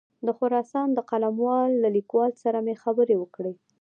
د خراسان د قلموال له لیکوال سره مې خبرې وکړې.